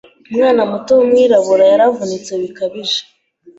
Umwana muto wumwirabura yaravunitse bikabije